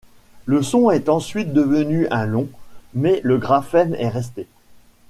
Le son est ensuite devenu un long, mais le graphème est resté.